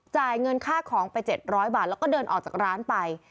จ่ายเงินค่าของไป๗๐๐บาทแล้วก็เดินออกจากร้านไป